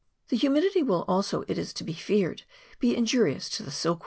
The humidity will also, it is to be feared, be injurious to the silk worm.